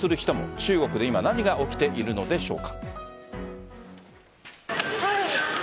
中国で今何が起きているのでしょうか。